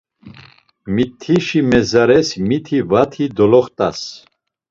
Mitişi mezares miti vati doloxt̆as.